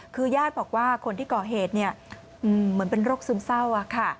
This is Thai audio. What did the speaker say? คือญาติบอกว่าคนที่ก่อเหตุเหมือนเป็นโรคซึมเศร้าค่ะ